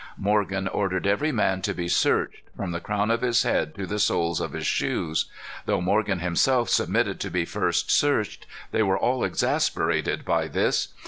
Morgan ordered every man to be searched, from the crown of his head to the soles of his shoes. Though Morgan himself submitted to be first searched, they were all exasperated by this.